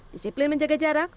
disiplin menjaga jarak